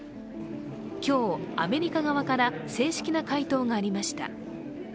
今日、アメリカ側から正式な回答がありました。